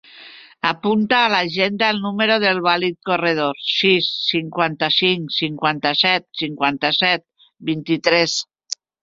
Apunta a l'agenda el número del Walid Corredor: sis, cinquanta-cinc, cinquanta-set, cinquanta-set, vint-i-tres.